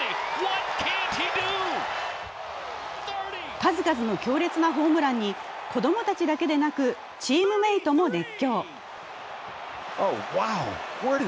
数々の強烈なホームランに子供たちだけでなくチームメイトも熱狂。